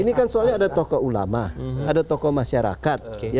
ini kan soalnya ada tokoh ulama ada tokoh masyarakat